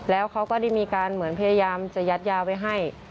แล้วเขาก็ได้มีการเหมือนพยายามจะยัดยาไว้ให้